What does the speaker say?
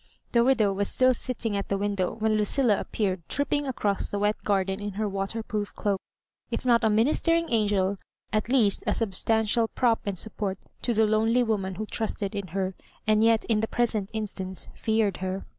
The widow was still sitting at the window when Lucilla appeared tripping across the wet garden in her waterproof closJc, if not a ministering angel, at least a substantial prop and support to the lonely woman who trust^ in her, and yet in the present instance feared her.